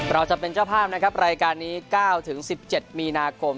จะเป็นเจ้าภาพนะครับรายการนี้๙๑๗มีนาคม